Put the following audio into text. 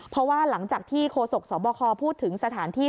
เพราะว่าหลังจากที่โฆษกสบคพูดถึงสถานที่